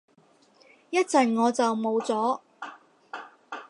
一陣我就冇咗